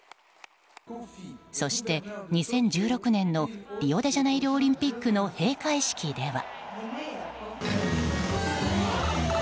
そして２０１６年のリオデジャネイロオリンピックの閉会式では。